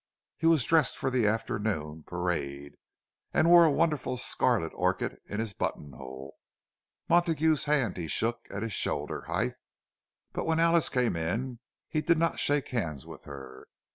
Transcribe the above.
He was dressed for the afternoon parade, and wore a wonderful scarlet orchid in his buttonhole. Montague's hand he shook at his shoulder's height; but when Alice came in he did not shake hands with her.